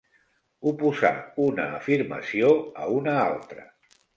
Oposar una afirmació a una altra.